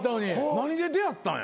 何で出会ったんや？